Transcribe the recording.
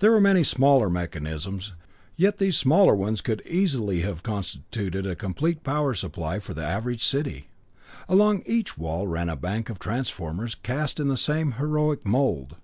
There were many smaller mechanisms yet these smaller ones would easily have constituted a complete power supply for the average big city. Along each wall ran a bank of transformers, cast in the same heroic mold.